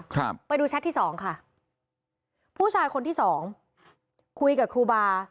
ครับไปดูแชทที่สองค่ะผู้ชายคนที่สองคุยกับครูบา